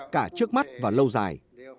cả trước mắt và lâu dài